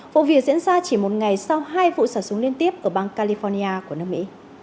vụ việc diễn ra chỉ một ngày sau hai vụ xả súng liên tiếp ở bang california của nước mỹ